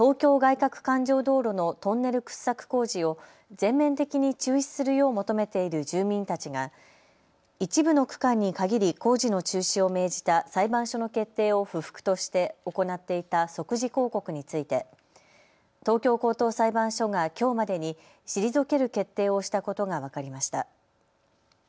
かく環状道路のトンネル掘削工事を全面的に中止するよう求めている住民たちが一部の区間に限り工事の中止を命じた裁判所の決定を不服として行っていた即時抗告について東京高等裁判所がきょうまでに退ける決定をしたことが分かりました。